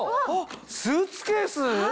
スーツケース？